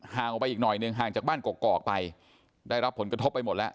ออกไปอีกหน่อยหนึ่งห่างจากบ้านกอกไปได้รับผลกระทบไปหมดแล้ว